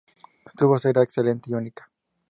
Su voz era excelente y única.